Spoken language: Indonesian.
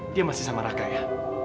dia masih sama raka ya